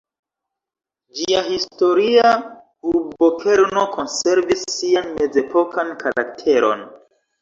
Ĝia historia urbokerno konservis sian mezepokan karakteron.